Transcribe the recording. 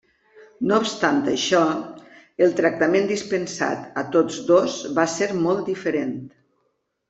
No obstant això, el tractament dispensat a tots dos va ser molt diferent.